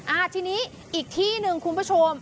อ่าทีนี้อีกที่หนึ่งคุณผู้ชม